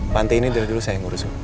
panti ini dari dulu saya yang ngurus u